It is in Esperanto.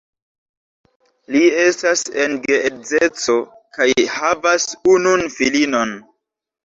Li estas en geedzeco kaj havas unun filinon.